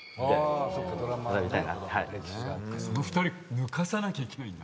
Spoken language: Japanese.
その２人抜かさなきゃいけないんだ。